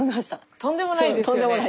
とんでもないです。